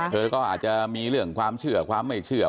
เธอก็อาจจะมีเรื่องความเชื่อความไม่เชื่อ